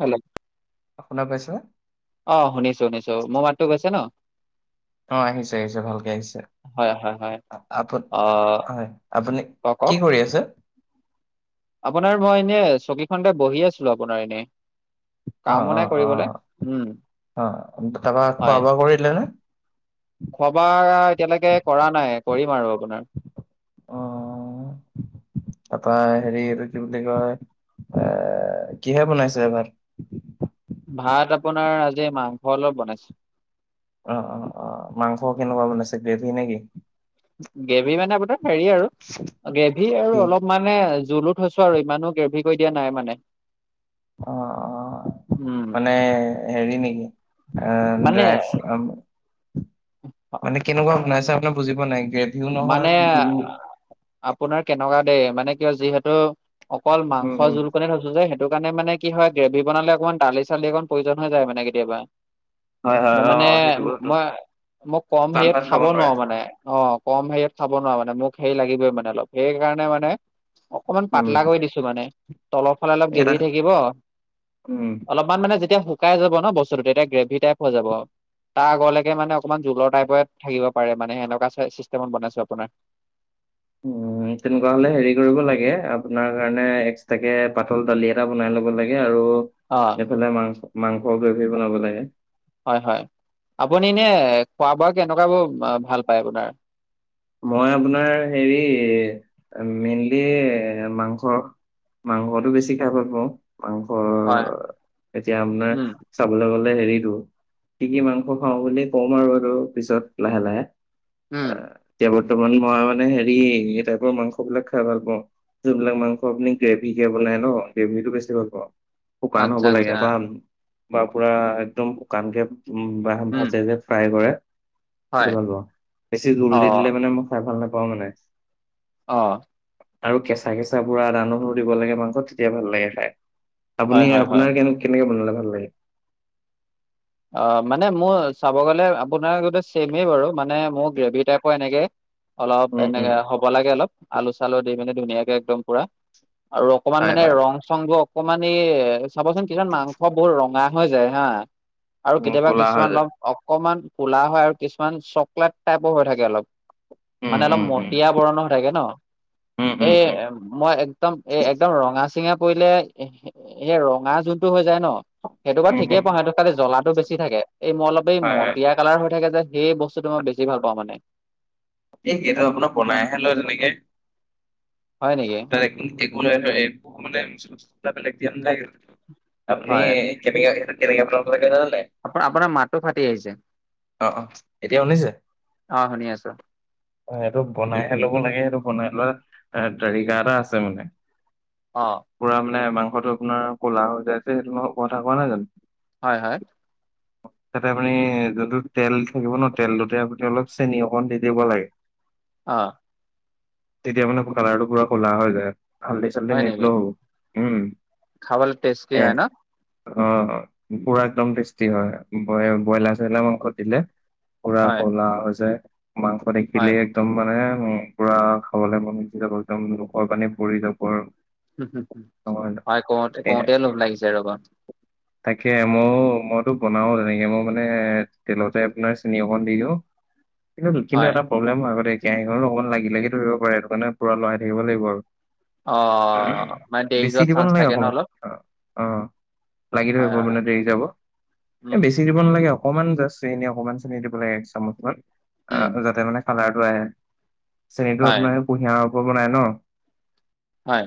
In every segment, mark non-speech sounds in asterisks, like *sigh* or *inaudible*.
Hello? শুনা পাইছে? অ শুনিছোঁ শুনিছোঁ। মোৰ মাতো গৈছে ন? অ আহিছে আহিছে ভালকে আহিছে। হয় হয় হয় আপু অ হয় আপুনি কওক কি কওক কৰি আছে? আপোনাৰ মই এনে চকীখনতে বহি আছিলো আপোনাৰ এনেই অ অ অ উম অ তাৰপা খোৱা হয় বোৱা কৰিলে নে? খোৱা বোৱা এতিয়ালৈকে কৰা নাই কৰিম আৰু আপোনাৰ। অ তাৰপৰা হেৰি এইটো কি বুলি কয় এ কিহে বনাইছে ভাত? ভাত আপোনাৰ আজি মাংস অলপ বনাইছে। অ অ অ মাংস কেনেকুৱা বনাইছে গ্ৰেভি নে কি? গ্ৰেভি মানে আপোনাৰ হেৰি আৰু গ্ৰেভি কি আৰু অলপ মানে জুলো থৈছো আৰু ইমানো গ্ৰেভি কৰি দিয়া নাই মানে। অ অ উম মানে হেৰি নেকি অ মানে ড্ৰাইচ *inaudible* মানে কেনেকুৱা বনাইছে আপোনাৰ বুজি নাই গ্ৰে মানে আপোনাৰ কেনেকুৱা দেই মানে কিয় যিহেতু অকল উম মাংসৰ উম জোল কনে থৈছো যে সে সেইটো কাৰণে মানে কি হয় গ্ৰেভি বনালে অকমান দালি চালি অকণ প্ৰয়োজন হৈ যায় মানে কেতিয়াবা হয় হয় মই অ মানে সেইটো মই মই কম হেৰিয়ত বানভাত খাব নোৱাৰে। নোৱাৰো মানে অ। কম হেৰিয়ত খাব নোৱাৰো মানে মোক হেৰি লাগিবই মানে অলপ সেইকাৰণে মানে অকমান উম পাতলা কৰি দিছোঁ। তোৰ মানে তলৰ ফালে অলপ এটা গ্রেভি থাকিব উম অলপ অকমান মানে যেতিয়া শুকাই যাব ন বস্তুটো তেতিয়া গ্ৰেভি টাইপ হৈ যাব। তাৰ আগলৈকে মানে অকণমান জোলৰ টাইপত থাকিব পাৰে মানে সেনেকুৱা চিষ্টেমত বনাইছোঁ আপোনাৰ। উম তেনেকুৱা হ'লে হেৰি কৰিব লাগে আপোনাৰ কাৰণে এক্সট্ৰাকে পাতল দালি এটা বনাই ল'ব লাগে আৰু অ এইফালে মাংস, মাংস গ্ৰেভি বনাব লাগে। হয় হয়, আপুনি এনে খোৱা-বোৱা কেনেকুৱা বোৰ ভাল পায় আপোনাৰ। মই আপোনাৰ হেৰি মেইন্লি মাংস। মাংসটো বেছি খাই ভাল পাওঁ, মাংস হয়, এতিয়া আপোনাৰ- উম, চাবলৈ গ'লে হেৰিটো, কি কি মাংস খাওঁ বুলি কম আৰু এইটো পিছত লাহে লাহে। উম, এতিয়া বৰ্তমান, মই মানে হেৰি এই টাইপৰ মাংস বিলাক খাই ভাল পাওঁ। যোনবিলাক মাংস আপুনি গ্ৰেভী কে বনাই ন! গ্ৰেভি টো বেছি ভাল পাওঁ। শুকান আচ্ছা হ'ব আচ্ছা, লাগে ভাল, বা পুৰা একদম শুকানকে- উম্, উম, ভাজে যে, ফ্ৰাই কৰে। হয়, সেইটো ভাল পাওঁ, বেছি জোল দিলে অ', মানে মই খাই ভাল নাপাওঁ মানে। অ', আৰু কেঁচা কেঁচা বুৰা আদা, নহৰু দিব লাগে মাংসত, তেতিয়া ভাল লাগে খাই। হয় আপুনি হয় হয়। আপোনাৰ কেনেকে বনালে ভাল লাগে। অ', মানে মোৰ চাব গ'লে, আপোনাৰগতে ছেমেই বাৰু! মানে মোৰ গ্ৰেভি টাইপৰ এনেকেই- অলপ উম উম এনেকে হ'ব লাগে, অলপ আলু চালু দি পিনে ধুনীয়াকে একদম পুৰা- আৰু অকমান হয় মানে হয় ৰং চংটো অকমান এই চাবচোন, কিছুমান মাংস বহুত ৰঙা হৈ যায় হা। আৰু উম কেতিয়াবা ক'লা হয় কিছুমান যে অলপ অকমান ক'লা হয় আৰু কিছুমান চকলেট টাইপৰ হৈ থাকে অলপ। উম মানে উম অলপ উম মতিয়া বৰণৰ হৈ থাকে ন? উম এ উম উম মই একদম, এ একদম ৰঙা চিঙা পৰিলে। এ ৰঙা যোনটো হৈ যায় ন, সেইটো বাৰু উম ঠিকেই উম বনাই সেইটো। খালি জ্বলাটো বেছি থাকে, এই মই অলপ এই হয় হয় মটীয়া কালাৰ হৈ থাকে যে। সেই বস্তুটো মই বেছি ভাল পাওঁ মানে। এই সেইটো আপোনাৰ বনাইহে লয়, তেনেকে। হয় নেকি? মানে একো নাই নহয়, একো মানে মচলা চচলা বেলেগ দিয়ে। হয় আপুনি- কেনেকে, সেইটো কেনেকে বনাব লাগে জানান নাই। আপোনাৰ, আপোনৰ মাততো ফাটি আহিছে। অ অ এতিয়া শুনিছে অ', শুনি আছোঁ। অ', সেইটো বনাই হে ল'ব লাগে। সেইটো বনাই লোৱা তৰিকা এটা আছে মানে। অ'। পুৰা মানে মাংসটো আপোনাৰ ক'লা হৈ যায় যে, সেইটো মাংসৰ কথা কোৱা নাই জানোঁ? হয়, হয়। তাতে আপুনি যোনটো তেল থাকিব ন, তেলটোতে আপুনি অলপ চেনি অকণ দিব। দিব লাগে। অ'। তেতিয়া মানে কালাৰটো পুৰা ক'লা হৈ যায়, হাল্দি, চাল্দি হয় নেকি নিদিলেও হ'ব। উম্। খাবলৈ টেষ্টি হয় ন? অ'অ', পুৰা একদম টেষ্টি হয়। ব্ৰইলাৰ-চইলাৰ মাংসত দিলে। পুৰা হয় ক'লা হৈ যায়, মাংস হয় দেখিলেই এক একদম মানে পুৰা খাবলৈ মন গুচি যাব, একদম মোখৰ পানী পৰি যাব আৰু। উম্, উম্, নহয় ন? ভাই এ কওঁতে-কওঁতে লোভ লাগিছে ৰ'বা। তাকে মইয়ো, মইতো বনাও তেনেকে। মই মানে তেলতে আপোনাৰ চেনি অকন দি দিওঁ। কিন্তু, কিন্তু হয় এটা প্ৰব্লেম হয় আকৌ দেই, কেৰাহীখনত অকণ লাগি লাগি ধৰিব পাৰে। সেইটোকাৰনে পুৰা লৰাই থাকিব লাগিব আৰু। অ', মানে দেৰি বেছি যোৱাৰ দিব চান্স নালাগে থাকে ন' অকমান অলপ? অ অ লাগি হয় ধৰিব হয় মানে দেৰি যাব, উম এ বেচি দি ব নালাগে অকমান জাচ চেনী অকমান চেনি দিব লাগে এক চামুচ মান উম আ, যাতে মানে কালাৰটো আহে, চেনিটো হয় আপোনাৰ কুঁহিয়াৰৰ *unintelligible* বনাই ন। হয়।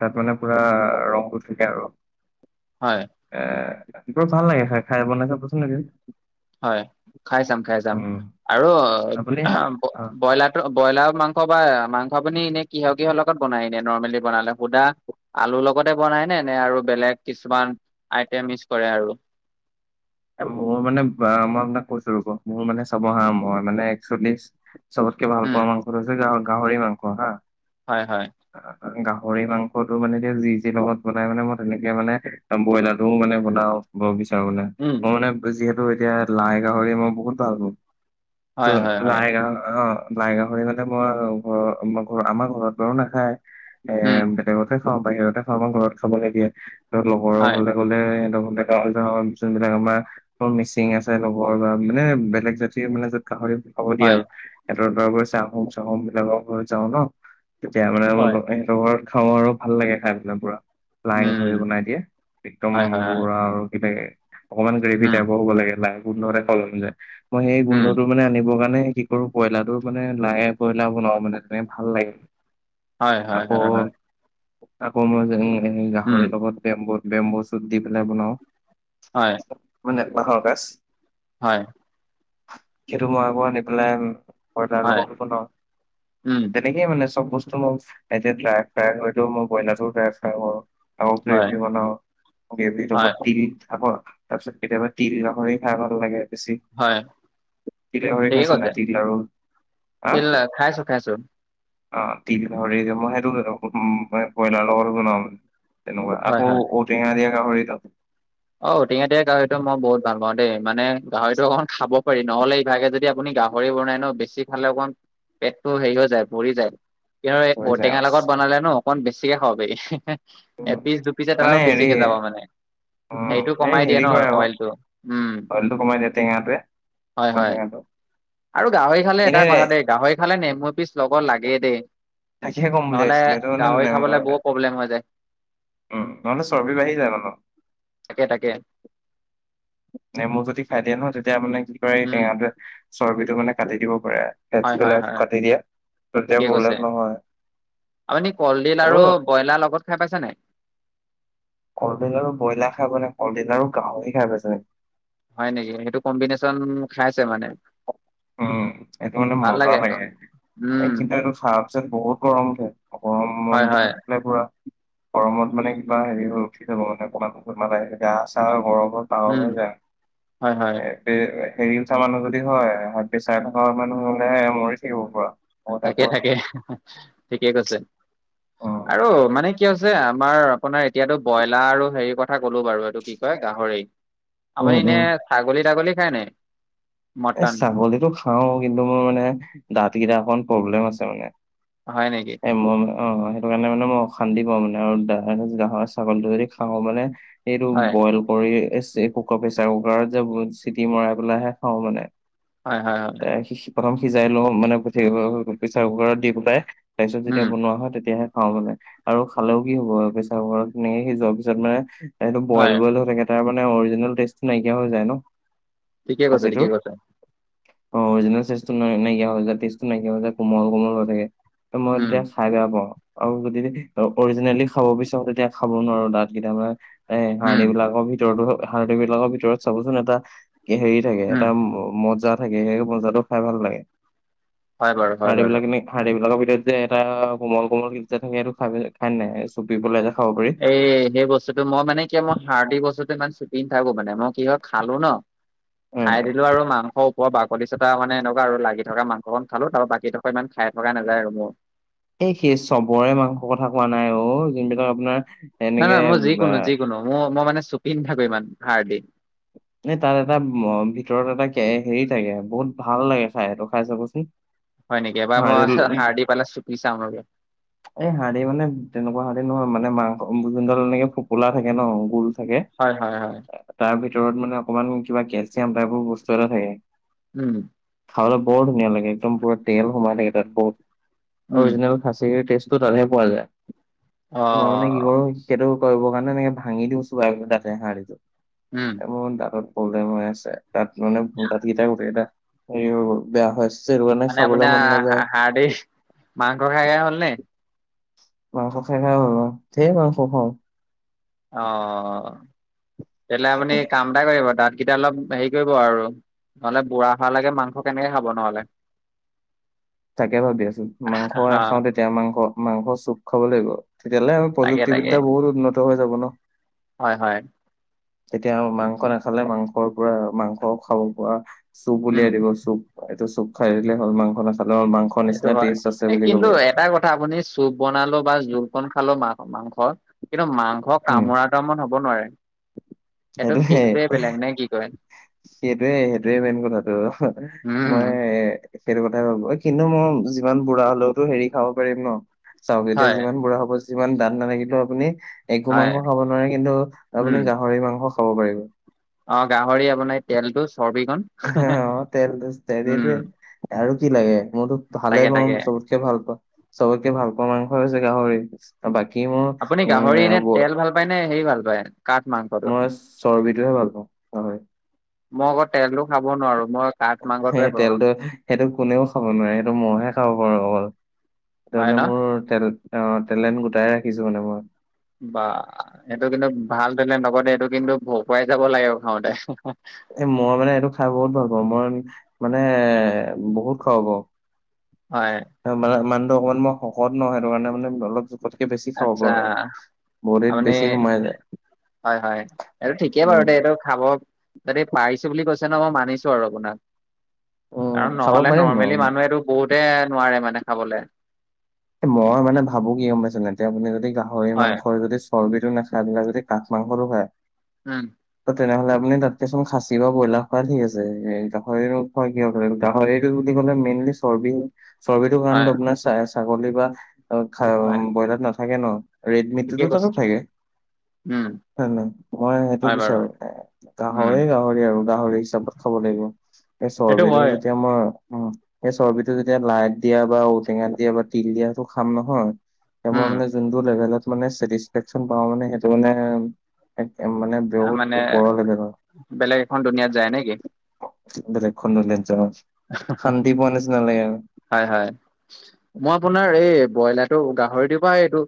তাত মানে পুৰা *unintelligible* থাকে আৰু। হয়। এ, ৰাতিপা *unintelligible* ভাল লাগে খাই খাই বনাই চাবচোন এদিন। হয় খাই চাম খাই চাম উম। আৰু *unintelligible* আপুনি ব অ ব্ৰইলাত ত' ব্ৰইলাৰ মাংস বা মাংস আপুনি এনে কিহ কিহৰ লগত বনাই এনে নৰ্মেলি বনালে সুদা আলুৰ লগতে বনাই নে, নে আৰু বেলেগ কিছুমান আইটেম ইচ কৰে আৰু? এ, মোৰ মানে *unintelligible* মই আপোনাক কছো ৰ'ব মোৰ মানে চাব হা মই মানে একচল্লিশ চবতকে ভাল উম পোৱা মাংসটো হৈছে গাহ গাহৰি মাংস হা। হয় হয়। *unintelligible* গাহৰি মাংসটো মানে এতিয়া যি যি লগত বনাই মানে ম তেনেকে মানে *unintelligible* ব্ৰইলাৰ টোও মানে বনাওঁ, ব বিচাৰো মানে। উম *unintelligible* যিহেতু এতিয়া লাই গাহৰি ম বহুত ভাল হ'ল হয় ত' হয় হয় লাই গাহ অ', লাই গাহৰি মানে মই *unintelligible* আমা ঘৰত বাৰু নাখায়। উম। হোটেলহে খাওঁ, বাহিৰতে খাওঁ ম ঘৰত খাব নিদিয়ে তত লগৰৰ হয় ঘৰলে গ'লে সেহেঁত *unintelligible* *unintelligible* আমাৰ *unintelligible* মিচিং আছে লগৰ ল'ৰা মানে বেলেগ জাতিৰ মানে য'ত গাহৰি হ'ব দিয়া হয় আৰু *unintelligible* চাহোম চাহোম বিলাকৰ ঘৰত যাওঁ ন, তেতিয়া মানে হয় *unintelligible* *unintelligible* ঘৰত খাওঁ আৰু ভাল লাগে খাই পেলাই পুৰা। লাই উম গাহৰি বনাই দিয়ে একদম হয় হয় হয় পুৰা আৰু কি লাগে। অকমান গ্ৰেভি উম টাইপও হ'ব লাগে লাই গোন্ধৰে খাবলে মন যায় মই সেই উম গোন্ধটো মানে আনিবৰ কাৰণে কি কৰোঁ পইলাৰটো মানে লাএ পইলা বনাওঁ মানে তেনে ভাল লাগে। হয় হয় আকৌ হয় হয় আকৌ মই যেনি এ, উম গাহৰি লগত বেম্বত বেম্ব চুট দি পেলাই বনাওঁ। হয় মানে বাঁহ গাচ হয়। সেটো মই আকৌ আনি পেলাই উম কইলাৰ হয় লগতো বনাওঁ। উম সেট তেকেই মানে চব বস্তুটো মই এতিয়া ড্ৰাই ফ্ৰাই হয়তো মই বইলাটো ড্ৰাই ফ্ৰাই কৰোঁ। আকৌ হয় গ্ৰেভি বনাওঁ গ্ৰেভি হয় লগত তিল আকৌ তা পিছত কেতিয়াবা তিল গাহৰি খাই ভাল লাগে বেছি হয়। তিল গাহৰি ঠিকে খাইছা নাই কছে তিল আৰু তিল না খাইছোঁ খাইছোঁ। অ', তিল গাহৰি যে মই সেইটো *unintelligible* কইলাৰ লগত বনাওঁ মানে তেনেকুৱা হয় আকৌ হয় অত টেঙা দিয়া গাহৰিটো অ', ঔ টেঙা দিয়া গাহৰিটো মই বহুত ভাল পাওঁ দেই মানে গাহৰিটো অকন খাব পাৰি নহ'লে ইভাগে যদি আপুনি গাহ ভৰি বনাই ন বেছি খালে অকণ পেটটো হেৰি হৈ যায় ভৰি যায়। *unintelligible* এ, হৈ যায় ঔটেঙা লগত আৰু। বনালে ন অকমান বেছিকে খাব পাৰি। এপিচ দুপিচে তাৰ আৰু বেছিকে যাব মানে। অ', সেইটো এই কমাই দিয়ে হেৰি ন কৰে আকৌ অইলটো উম অইলটো কমাই দিয়ে টেঙাটোৱে। হয় ঔ হয় টেঙাটো আৰু গাহৰি খালে এটা কথা দেই গাহৰি খালে নেমু এপিচ লগত লাগেই দেই। তাকে হে ক'ম বুলি নহ'লে আইছিলোঁ এইটো গাহৰি মানে খাবলে *unintelligible* বহুত প্ৰব্লেম হৈ যায় উম নহ'লে চৰ্বি বাঢ়ি যায় ন। তাকে, তাকে। নেমু যদি খাই দিয়ে নহয় তেতিয়া মানে কি কৰে এই উম টেঙাটো চৰ্বিটো মানে কাটি দিব পাৰে। ফেট হয়, হয়, বিলাক হয় কাটি দিয়ে তেতিয়া ঠিকে কৈছে, প্ৰব্লেম নহয় আপুনি কলডিল আৰু ব্ৰইলাৰ লগত খাই পাইছে নাই? কলডিল আৰু ব্ৰইলাৰ খাই পোৱা নাই কলডিল আৰু গাহৰি খাই পাইছোঁ। হয় নেকি, সেইটো কম্বিনেছন খাইচো মানে। উম, সেটো মানে ভাল মজা আকৌ লাগে এই উম কিন্তু খোৱাৰ পিছত বহুত গৰম উঠে। হয় হয় *unintelligible* গৰমত মানে কিবা হেৰি হৈ উঠি যাব মানে অকণমান কবা আহ গা চা গৰমত আও উম হয় হয় *unintelligible* হেৰি উঠা মানুহ যদি হয় হাই প্ৰেচাৰ থকা মানুহ হলে মৰি থাকিব পৰা থাকে, থাকে ঠিকে কৈছে উম। আৰু মানে কি যে আমাৰ আপোনাৰ এতিয়াতো ব্ৰইলাৰ আৰু হেৰি কথা ক'লো বাৰু এইটো কি কয় গাহৰি আপুনি উম, এনে উম, ছাগলী তাগলী খায়নে? এ ছাগলীটো খাও কিন্তু মোৰ মানে দাঁত কেইটা অকণ প্ৰব্লেম আছে মানে হয় নেকি। মই অ, ' সেইটো কাৰণে মানে অশান্তি পাওঁ মানে আৰু গাহৰী ছাগলীটো যদি খাওঁ মানে সেটো হয় বইল কৰি কুকাৰ প্ৰেচাৰ কুকাৰত যে চিটি মৰাই পেলাইহে খাওঁ মানে হয়, হয়, হয়। প্ৰথম সিজাই লওঁ মানে প্ৰেচাৰ কুকাৰত দি পেলাই তাৰ পিছত যেতিয়া উম বনোৱা হয় তেতিয়াহে খাওঁ মানে। আৰু খালেও কি হ'ব প্ৰেচাৰ কুকাৰ তেনেকে সিজোৱাৰ পিছত মানে সেইটো হয় বইল, বইল হৈ থাকে। তাৰ মানে অৰিজিনেল টেষ্টটো নাইকিয়া হৈ যায় ন। ঠিকে কৈছা, ঠিকে খাচীটোৰ কৈছা। অ', অৰিজিনেল টেষ্টটো নাইকিয়া হৈ টেষ্টটো নাইকিয়া হৈ যে কোমল, কোমল হৈ থাকে মই উম খাই বেয়া পাওঁ, আৰু যদি অৰিজিনেলি খাব বিচাৰো তেতিয়া খাব নোৱাৰো দাত কেইটা পৰা। এ হাৰ্ডি উম বিলাকৰ ভিতৰতো হাৰ্ডি বিলাকৰ ভিতৰত চাবচোন এটা হেৰিত থাকে উম এটা মজা থাকে সেই মজাটো খাই ভাল লাগে হয় বাৰু হয় হাৰ্ডি বাৰু বিলাক নেকি হাৰ্ডি বিলাকৰ ভিতৰত যে এটা কোমল, কোমল ক যে থাকে সেইটো খাই নাই চুপিব পেলাই যায় খাব পাৰি। এ সেই বস্তুতটো মই মানে কি মই হাৰ্ডি বস্তুটো ইমান চুপি নাথাকো মানে মই কি হয় খালোঁ ন খাই উম দিলোঁ আৰু মাংস বাকলি চতা মানে এনেকুৱা আৰু লাগি থকা মাংস খালোঁ আৰু বাকী থকা ইমান খাই থকাই নাযায় আৰু মোৰ। এই সে চবৰে মাংসৰ কথা কোৱা নাই অ', যোনবিলাক আপোনাৰ নাই, এনেকে নাই মই বা যিকোনো যিকোনো মোৰ মই মানে চুপি নাথাকোঁ ইমান হাৰ্ডি এ তাত এটা ভিতৰত এটা হেৰি থাকে, বহুত ভাল লাগে খাই, এইটো খাই চাবচোন। হয় নেকি, এবাৰ মই হাৰ্দি পালে চুপি চাম ৰবা। উ *inaudible* এই হাৰ্দি মানে তেনেকুৱা হ'লে নহয় মানে মাংস যোনডাল এনেকে ফোপোলা থাকে ন গোল থাকে। হয়, হয়, হয়। তাৰ ভিতৰত মানে অকমান কিবা কেলচিয়াম টাইপৰ বস্তু এটা থাকে। উম। খাবলৈ বৰ ধুনীয়া লাগে, একদম পুৰা তেল সোমাই থাকে তাত বহুত উম অৰজিনেল খাচি টেজটো তাতহে পোৱা যায়, অ ত মই মানে কি কৰোঁ। সেইটো কৰিব কাৰণে এনেকে ভাঙি দিওঁ চোবাই দাতে হাৰ্দিটো। উম। মোৰ দাঁতত প্ৰব্লেম হৈ আছে, তাত মানে দাতকেইটা গোটেইকেইটা হেৰি হৈ গ'ল বেয়া হৈ আছে। সেইটো কাৰণে মানে খাবলৈ মন নাযায়। আপোনাৰ হাৰ্দি, মাংস খাইকে হ'ল নে? মাংস খাই খাই হ'ল‌ অ', ধেৰ মাংস খাওঁ। অ' তেতিয়াহ'লে আপুনি কাম এটা কৰিব, দাতকেইটা অলপ হেৰি কৰিব আৰু। নহ'লে বুঢ়া হোৱালৈকে মাংস কেনেকে খাব নহ'লে। উ তাকে ভাবি আছোঁ। মাংস হা খাওঁ তেতিয়া মাংস মাংস চুপ খাব লাগিব তেতিয়াহ'লে আমি প্ৰযু তাকে তাকে প্ৰতিবিদ্যা বহুত উন্নত হৈ যাব ন'। হয় হয়। তেতিয়া মাংস নাখালে মাংসৰ পৰা, মাংস খাব পৰা চুপ উম। উলিয়াই দিব চুপ। এইটো চুপ খাই দিল হ'ল মাংস নাখালে হ'ল, মাংস সেইটো হয়। এ, কিন্তু এটা কথা আপুনি চুপ বনালো বা জোলকন খালোঁ মা-মাংসৰ কিন্তু মাংস অ' উম, কামোৰাটো মান হ'ব নোৱাৰে, সেইটো সেইটোহে। খিলটোৱে বেলেগ নে কি কয়? সেইটোৱে, সেইটোৱে মেইন কথাটো। উম, মই সেইটো কথাই ভাবোঁ। এ, কিন্তু মই যিমান বুঢ়া হ'লেওতো হেৰি খাব পাৰিম ন' চাওঁক এতিয়া হয় যিমান বুঢ়া হ'ব, যিমান দাত নালাগিলেও আপুনি একো হয় মাংস খাব নোৱাৰে কিন্তু উম, আপুনি গাহৰি মাংস খাব পাৰিব। অ' গাহৰি আপোনাৰ তেলটো, চৰ্বিখন, অ তেল তেল এইটোৱে উম। আৰু কি লাগে। মোৰতো ভালে তাকে তাকে মই চ কে ভাল পাওঁ। চবতকে ভাল পাৱা মাংস হৈছে গাহৰি। বাকী মই আপুনি গাহৰি এনে তেল ভাল পায় নে হেৰি ভাল পায় কাঠ মাংসটো? *unintelligible* চৰ্বিটোহে ভাল পাওঁ, হয়। মই আকৌ তেলটো খাব নোৱাৰো, মই কাঠ সেই মাংসটোৱে বনাও তেলটো, সেইটো কোনেও খাব নোৱাৰে, সেইটো মইহে খাব পাৰোঁ অকল। হয় টেনে ন? মোৰ তেল অ' টেলেণ্ট গোটাই ৰাখিছোঁ মানে মই। বা এইটো কিন্তু ভাল টেলেণ্ট লগতে এইটো কিন্তু ভৰপুৱাই যাব লাগে খাওঁতে। এ, মই মানে এইটো খাই বহুত ভাল পাওঁ। মই মানে বহুত খাব পাওঁ। হয়। মানে মানুহটো অকন মই শকত ন' সেইটো কাৰণে মানে অলপ ততকে বেছি খাব আচ্ছা পাৰোঁ আৰু ল। বডিত আপুনি বেছি সোমাই যায়। হয় হয়। এইটো ঠিকেই বাৰু উম দেই, এইটো খাব যদি পাৰিছোঁ বুলি কৈছে ন' মই মানিছোঁ আৰু আপোনাক। উম কাৰণ খাব নহ'লে পাৰিম নৰ্মেলি মই মানুহেটো বহুতে নোৱাৰে মানে খাবলে। মই মানে ভাবোঁ কি গম পাইছেনে এতিয়া আপুনি যদি গাহৰি হয় মাংসৰ যদি চৰ্বীটো নাখায় বেলেগ যদি কাঠ মাংসটো খায় উম। তেনেহ'লে আপুনি তাতকেচোন খাচী বা ব্ৰইলাৰ খোৱা ঠিক আছে *unintelligible* কি *unintelligible* গাহৰিটো বুলি ক'লে মেইনলি চৰ্বি। চৰ্বিটোৰ হয় কাৰনেতো আপোনাৰ ছাগলী বা খা হয়। ব্ৰইলাৰ নাথাকে ন' ৰেড ঠিকে মিটততো কৈছে থাকে। উম। হয় নাই? মই সেইটো হয় বাৰু বিচাৰো। এ, উম গাহৰি গাহৰি আৰু গাহৰি হিচাপত। খাব লাগিব। সেই সেইটো চৰ্বিটো হয় যেতিয়া মই উম, সেই চৰ্বিটো যেতিয়া লাইট দিয়া বা ঔটেঙা দিয়া বা তিল দিয়াটো খাম নহয়, মই উম মানে যোনটো লেভেলত মানে চেটিচফেকচন পাওঁ মানে, সেইটো মানে একে মানে বহুত মানে ওপৰৰ লেভেলৰ। বেলেগ এখন দুুনীয়াত যায় নেকি *inaudible* বেলেগখন দুনিয়াত যাওঁ। শান্তি পোৱা নিচিনা লাগে আৰু। হয়, হয়। মই আপোনাৰ এই ব্ৰইলাৰটো, গাহৰি দিবা এইটো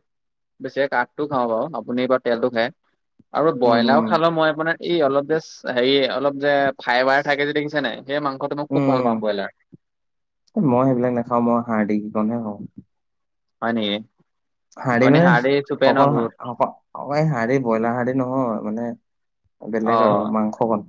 বেছিকে কাঠটো খাওঁ বাৰু, আপুনি বা তেলটো খায়। আৰু উম ব্ৰইলাও উম খালেও মই আপোনাৰ এই অলপ যে চ-হেৰি অলপ যে ফাইবাৰ থাকে যে দেখিছে নে? সেই মাংসটো মই খুব ভাল উম পাওঁ ব্ৰইলাৰ। মই সেইবিলাক নাখাওঁ, মই হাৰ্ডি কিকনহে খাওঁ। হয় নেকি? হাৰ্ডি আপুনি মানে চুপে ন অকল *unintelligible* বহুত অ' এই হাৰ্ডি ব্ৰইলাৰ হাৰ্ডি নহয়, মানে বেলেগ অ আৰু। মাংস বন